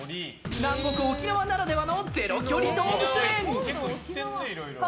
南国沖縄ならではゼロ距離動物園。